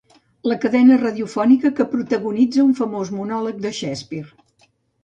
La cadena radiofònica que protagonitza un famós monòleg de Shakespeare.